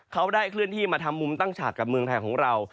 เขาได้เคลื่อนที่มาทำมุมตั้งฉากกับเมืองไทยของเรา